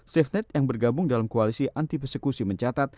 safenet yang bergabung dalam koalisi anti persekusi mencatat